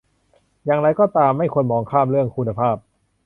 อย่างไรก็ตาม ไม่ควรมองข้ามเรื่องคุณภาพ